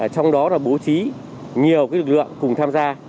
trong đó là bố trí nhiều lực lượng cùng tham gia